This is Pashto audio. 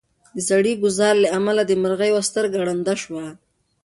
د سړي د ګوزار له امله د مرغۍ یوه سترګه ړنده شوه.